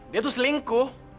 dia tuh selingkuh